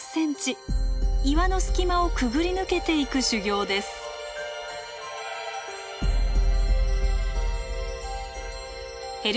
岩の隙間をくぐり抜けていく修行です。